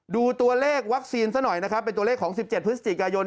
ดูตัวเลขวัคซีนซะหน่อยนะครับเป็นตัวเลขของ๑๗พฤศจิกายน